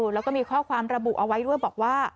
แล้วก็มีข้อความระบุเอาไว้ด้วยบอกว่า